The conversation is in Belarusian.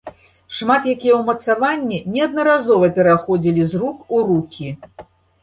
Шмат якія ўмацаванні неаднаразова пераходзілі з рук у рукі.